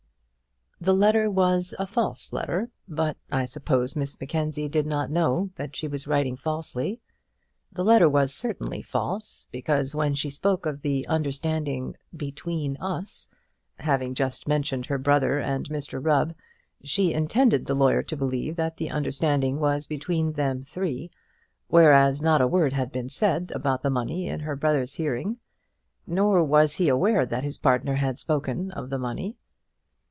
The letter was a false letter; but I suppose Miss Mackenzie did not know that she was writing falsely. The letter was certainly false, because when she spoke of the understanding "between us," having just mentioned her brother and Mr Rubb, she intended the lawyer to believe that the understanding was between them three; whereas, not a word had been said about the money in her brother's hearing, nor was he aware that his partner had spoken of the money.